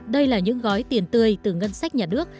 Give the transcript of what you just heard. đây là những gói tiền tươi từ ngân sách nhà nước